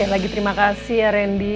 lagi terima kasih ya randy